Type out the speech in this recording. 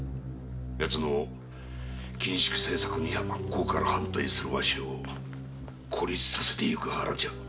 奴の緊縮政策に真っ向から反対するわしを孤立させていく腹じゃ。